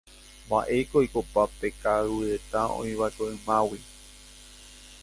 mba'éiko oikopa pe ka'aguyeta oĩva'ekue ymágui